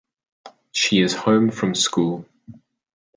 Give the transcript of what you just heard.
She is home from school.